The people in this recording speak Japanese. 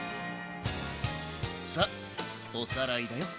さあおさらいだよ。